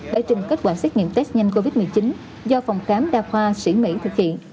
bài trình kết quả xét nghiệm test nhanh covid một mươi chín do phòng khám đa khoa sĩ mỹ thực hiện